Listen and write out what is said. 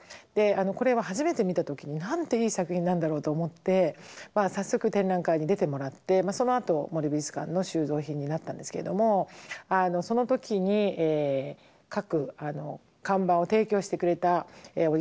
これは初めて見た時になんていい作品なんだろうと思って早速展覧会に出てもらってそのあと森美術館の収蔵品になったんですけれどもその時に各看板を提供してくれたおじさん